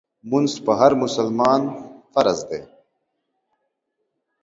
مونځ په هر مسلمان فرض دی